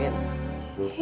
biarin aja emang gue pikirin